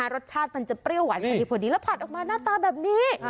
รสชาติมันจะเปรี้ยวหวานพอดีพอดีแล้วผัดออกมาหน้าตาแบบนี้